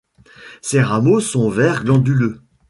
Ses rameaux sont verts glanduleux.